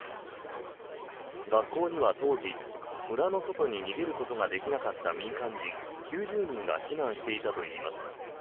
学校には当時村の外に逃げることができなかった民間人９０人が避難していたといいます。